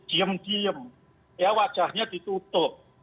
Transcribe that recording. diem diem ya wajahnya ditutup